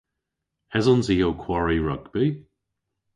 Esons i ow kwari rugbi?